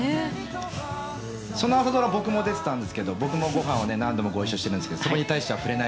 そのドラマ僕も出てたんですけど、僕も何度もご一緒しているんですけどそこに対しては何も触れない。